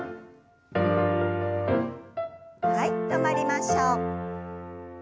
はい止まりましょう。